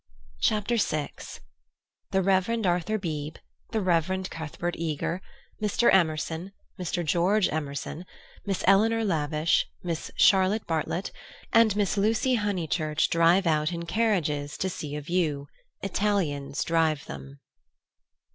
Chapter VI The Reverend Arthur Beebe, the Reverend Cuthbert Eager, Mr. Emerson, Mr. George Emerson, Miss Eleanor Lavish, Miss Charlotte Bartlett, and Miss Lucy Honeychurch Drive Out in Carriages to See a View; Italians Drive Them.